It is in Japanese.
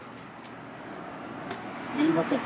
すみません。